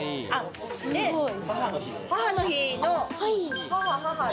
母の日の。